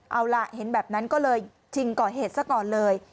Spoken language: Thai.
เอาล่ะเห็นแบบนั้นก็เลยชิงก่อเหตุซะก่อนเลย